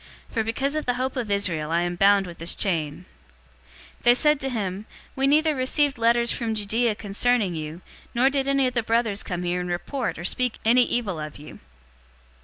For because of the hope of Israel I am bound with this chain." 028:021 They said to him, "We neither received letters from Judea concerning you, nor did any of the brothers come here and report or speak any evil of you.